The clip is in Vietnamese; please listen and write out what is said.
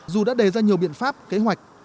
dù đã đề ra nhiều biện pháp kế hoạch